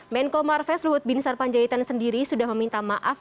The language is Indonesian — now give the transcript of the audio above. menko marves luhut bin sarpanjaitan sendiri sudah meminta maaf